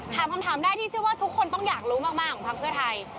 ถามคำถามได้ที่เชื่อว่าทุกคนต้องอยากรู้มากของพักเพื่อไทย